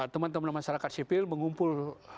teman teman masyarakat sipil mengumpul